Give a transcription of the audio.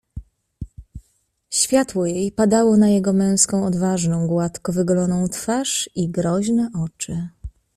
"Światło jej padało na jego męską, odważną, gładko wygoloną twarz i groźne oczy."